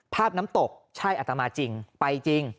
น้ำตกใช่อัตมาจริงไปจริง